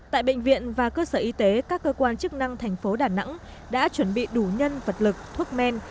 tại bệnh viện và cơ sở y tế các cơ quan chức năng thành phố đà nẵng đã chuẩn bị đủ nhân vật lực thuốc men